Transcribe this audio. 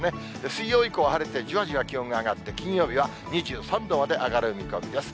水曜以降は晴れて、じわじわ気温が上がって、金曜日は２３度まで上がる見込みです。